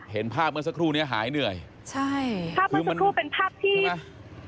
เห็นภาพเมื่อสักครู่เนี้ยหายเหนื่อยใช่ภาพเมื่อสักครู่เป็นภาพที่